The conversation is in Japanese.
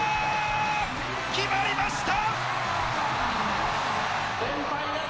決まりました。